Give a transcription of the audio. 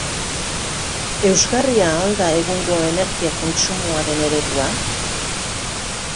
Eusgarria al da egungo energia kontsumoaren eredua?